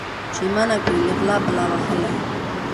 چي یې منع کړي له غلا بلا وهلی